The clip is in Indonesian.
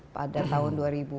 pada tahun dua ribu dua puluh lima